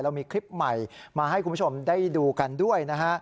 มีคลิปใหม่มาให้คุณผู้ชมได้ดูกันด้วยนะฮะ